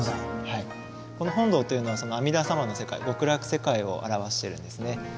この本堂というのは阿弥陀様の世界極楽世界を表してるんですね。